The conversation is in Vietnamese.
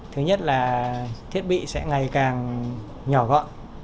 thứ nhất là thiết bị sẽ ngày càng nhỏ gọn